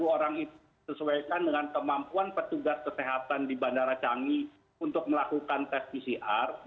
sepuluh orang itu sesuaikan dengan kemampuan petugas kesehatan di bandara canggih untuk melakukan tes pcr